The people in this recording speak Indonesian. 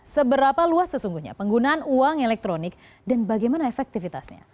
seberapa luas sesungguhnya penggunaan uang elektronik dan bagaimana efektivitasnya